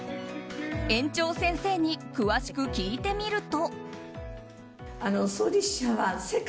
園長先生に詳しく聞いてみると。